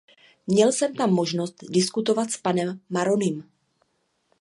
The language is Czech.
Měl jsem tam možnost diskutovat s panem Marronim.